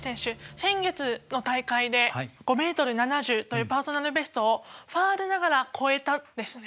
先月の大会で５ｍ７０というパーソナルベストをファウルながら超えたんですね。